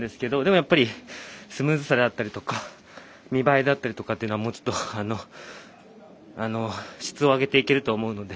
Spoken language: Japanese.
やっぱりスムーズさであったりとか見栄えだったりとかっていうのはもうちょっと質を上げていけると思うので。